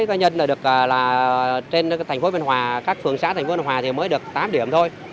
các phương xã thành phố biên hòa mới được tám điểm thôi